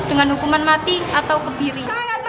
dengan hukuman mati atau kebiri